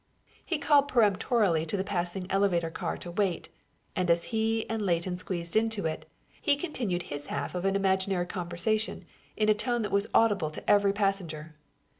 He called peremptorily to the passing elevator car to wait, and as he and Leighton squeezed into it, he continued his half of an imaginary conversation in a tone that was audible to every passenger.